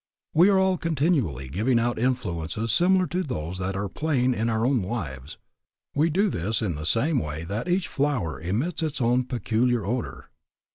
We are all continually giving out influences similar to those that are playing in our own lives. We do this in the same way that each flower emits its own peculiar odor.